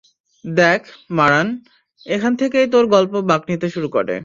দেখ, মারান, এখান থেকেই তোর গল্প বাঁক নিতে শুরু করে।